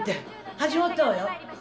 始まったわよ！